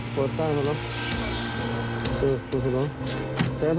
สวัสดีครับทุกคน